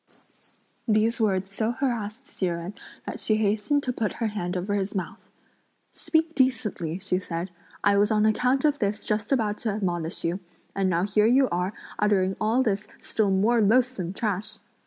These words so harassed Hsi Jen that she hastened to put her hand over his mouth. "Speak decently," she said; "I was on account of this just about to admonish you, and now here you are uttering all this still more loathsome trash."